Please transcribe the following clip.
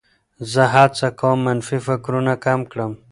زه هڅه کوم منفي فکرونه کم کړم.